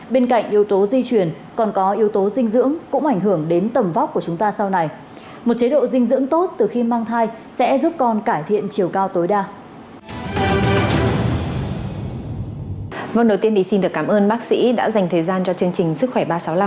vâng đầu tiên thì xin được cảm ơn bác sĩ đã dành thời gian cho chương trình sức khỏe ba trăm sáu mươi năm